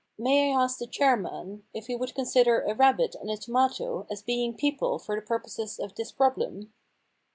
May I ask the chairman if he would consider a rabbit and a tomato as being people for the purposes, of this problem